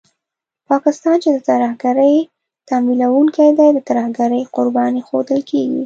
پاکستان چې د ترهګرۍ تمويلوونکی دی، د ترهګرۍ قرباني ښودل کېږي